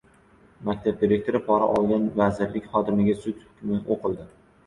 Maktab direktoridan pora olgan vazirlik xodimiga sud hukmi o‘qildi